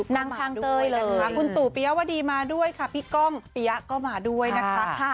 ทางเตยเลยคุณตู่ปิยาวดีมาด้วยค่ะพี่ก้อมปิยาก็มาด้วยนะคะ